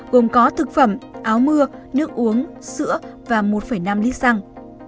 gồm có thực phẩm áo mưa nước uống sữa và một năm lít xăng